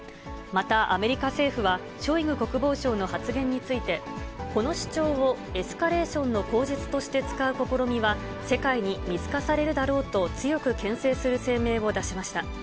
また、アメリカ政府は、ショイグ国防相の発言について、この主張をエスカレーションの口実として使う試みは、世界に見透かされるだろうと、強くけん制する声明を出しました。